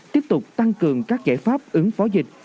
tiếp tục tăng cường các giải pháp ứng phó dịch